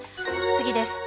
次です。